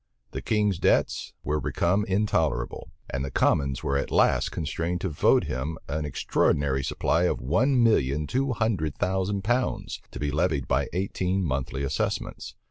The king's debts were become intolerable; and the commons were at last constrained to vote him an extraordinary supply of one million two hundred thousand pounds, to be levied by eighteen monthly assessments.